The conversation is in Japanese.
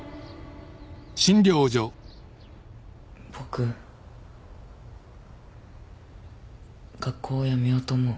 僕学校をやめようと思う。